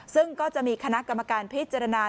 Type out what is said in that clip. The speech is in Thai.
ซึ่งก็จะมีคณะกรรมการพิจารณา